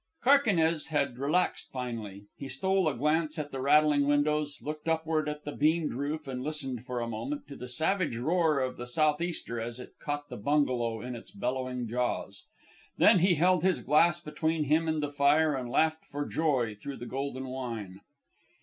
Carquinez had relaxed finally. He stole a glance at the rattling windows, looked upward at the beamed roof, and listened for a moment to the savage roar of the south easter as it caught the bungalow in its bellowing jaws. Then he held his glass between him and the fire and laughed for joy through the golden wine.